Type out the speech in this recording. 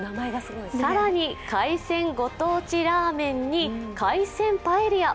更に、海鮮ご当地ラーメンに海鮮パエリア。